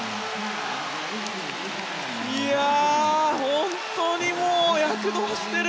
本当にもう、躍動してる！